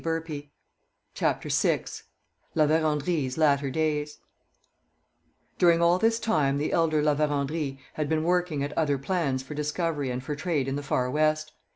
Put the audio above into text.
CHAPTER VI LA VÉRENDRYES' LATTER DAYS During all this time the elder La Vérendrye had been working at other plans for discovery and for trade in the Far West.